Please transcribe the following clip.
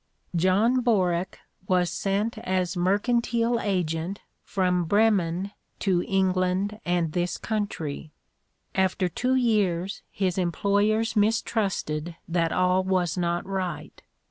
John Borack was sent as mercantile agent from Bremen to England and this country. After two years his employers mistrusted that all was not right.